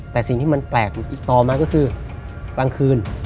แต่สิ่งที่มันแปลกต่อมาก็คือกลางคืน